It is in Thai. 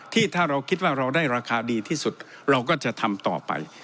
ที่เราคิดว่าเราได้ราคาดีที่สุดเราก็จะทำต่อไป